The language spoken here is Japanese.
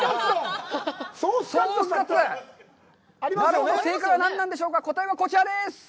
ソースかつ、なるほど、正解は何なんでしょうか、答えはこちらです！